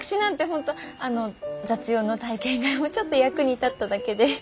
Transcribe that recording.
本当あの雑用の体験がちょっと役に立っただけで。